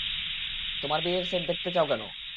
তোমার বিয়ের সেট দেখতে চাও না?